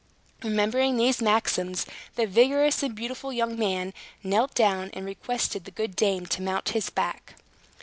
Remembering these maxims, the vigorous and beautiful young man knelt down, and requested the good dame to mount upon his back.